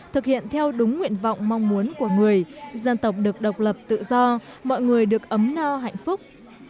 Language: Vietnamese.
thực hiện theo đúng nguyện vọng mong muốn của người dân tộc được độc lập tự do mọi người được ấm no hạnh phúc